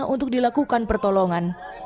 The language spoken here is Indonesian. untuk dilakukan pertolongan